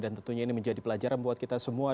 dan tentunya ini menjadi pelajaran buat kita semua